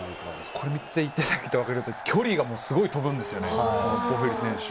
これを見ていただけたら分かる通り、距離がすごく跳ぶんですよね、ボフェリ選手。